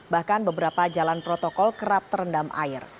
bahkan beberapa jalan protokol kerap terendam air